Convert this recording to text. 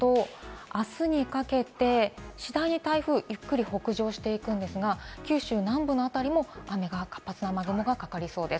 あすにかけて次第に台風はゆっくり北上していくんですが、九州南部の辺りも雨が活発な雨雲がかかりそうです。